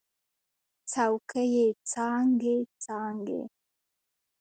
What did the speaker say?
څوکې یې څانګې، څانګې